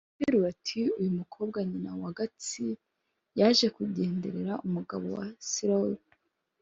Araterura, ati: "Uyu mukobwa nyina wa Gatsi yaje kundegera umugabo we Syoli